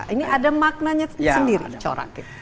ini ada maknanya sendiri coraknya